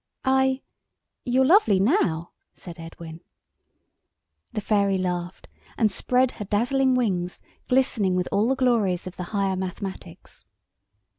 "I ... you're lovely now," said Edwin. The Fairy laughed, and spread her dazzling wings glistening with all the glories of the higher mathematics.